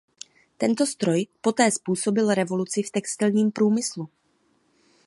Tento stroj poté způsobil revoluci v textilním průmyslu.